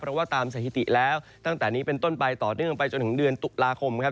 เพราะว่าตามสถิติแล้วตั้งแต่นี้เป็นต้นไปต่อเนื่องไปจนถึงเดือนตุลาคมครับ